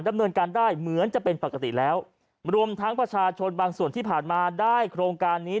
ดำเนินการได้เหมือนจะเป็นปกติแล้วรวมทั้งประชาชนบางส่วนที่ผ่านมาได้โครงการนี้